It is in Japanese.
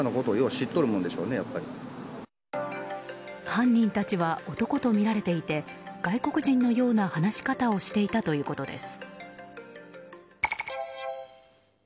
犯人たちは男とみられていて外国人のような話し方をしていたということです。